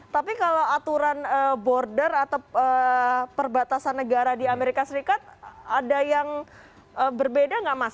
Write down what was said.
tapi kalau aturan border atau perbatasan negara di amerika serikat ada yang berbeda nggak mas